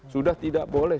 sudah tidak boleh